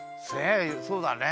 そうだね。